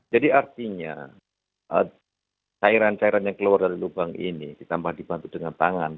jadi artinya cairan cairan yang keluar dari lubang ini ditambah dibantu dengan tangan